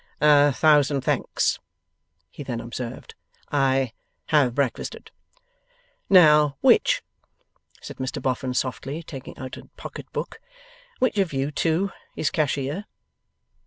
'A thousand thanks,' he then observed. 'I have breakfasted.' 'Now, which,' said Mr Boffin softly, taking out a pocket book, 'which of you two is Cashier?